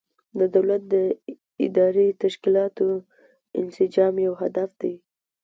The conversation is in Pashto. د دولت د اداري تشکیلاتو انسجام یو هدف دی.